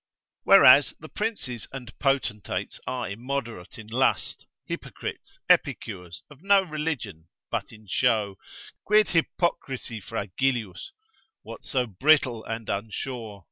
Whereas the princes and potentates are immoderate in lust, hypocrites, epicures, of no religion, but in show: Quid hypocrisi fragilius? what so brittle and unsure?